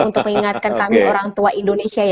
untuk mengingatkan kami orang tua indonesia